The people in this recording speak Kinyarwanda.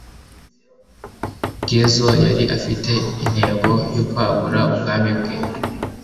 Ghezo yari afite intego yo kwagura ubwami bwe,